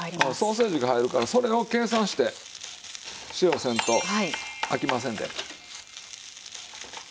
うんソーセージが入るからそれを計算して塩せんとあきませんで。